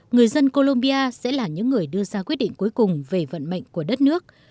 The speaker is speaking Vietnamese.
người dân colombia sẽ là những người đưa ra quyết định cuối cùng về vận mệnh của đất nước